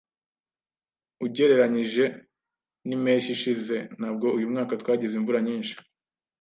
Ugereranije nimpeshyi ishize, ntabwo uyu mwaka twagize imvura nyinshi.